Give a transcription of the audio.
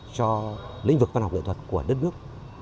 cho lĩnh vực văn học nghệ thuật của đất nước